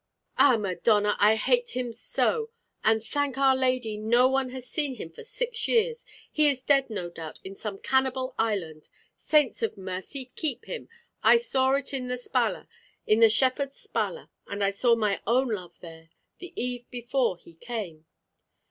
"Ah, Madonna, I hate him so; and thank our Lady, no one has seen him for six years. He is dead no doubt in some Cannibal Island. Saints of mercy, keep him. I saw it in the Spalla, in the Shepherd's Spalla, and I saw my own love there, the eve before he came."